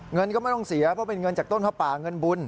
เงินก็ไม่ต้องเสียเพราะเป็นเงินจากต้นผ้าป่าเงินบุญ